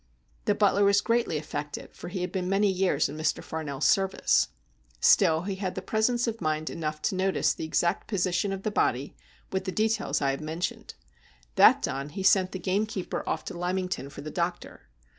The butler was greatly affected, for he had been many years in Mr. FarnelFs service. Still he had presence of mind enough to notice the exact position of the body, with the details I have mentioned. That done, he sent the gamekeeper off to Lymington for the doctor.